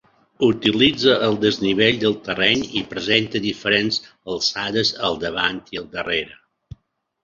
Utilitza el desnivell del terreny i presenta diferents alçades al davant i al darrere.